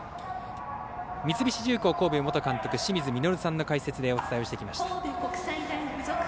三菱重工神戸元監督の清水稔さんの解説でお伝えしています。